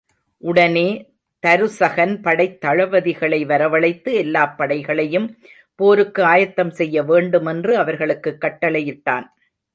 உடனே தருசகன் படைத் தளபதிகளை வரவழைத்து எல்லாப் படைகளையும் போருக்கு ஆயத்தம் செய்ய வேண்டுமென்று அவர்களுக்குக் கட்டளையிட்டான்.